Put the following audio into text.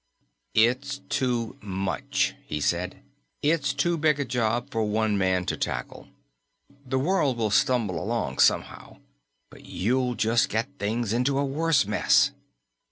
"It's too much," he said. "It's too big a job for one man to tackle. The world will stumble along somehow, but you'll just get things into a worse mess."